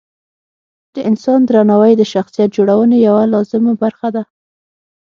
د انسان درناوی د شخصیت جوړونې یوه لازمه برخه ده.